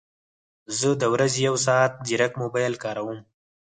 زه د ورځې یو ساعت ځیرک موبایل کاروم